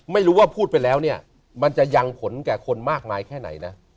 ไม่รู้ว่าพูดไปแล้วเนี่ยมันจะยังผลแก่คนมากมายแค่ไหนนะ